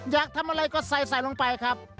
อยากทำอะไรก็ใส่ใส่ลงไปครับ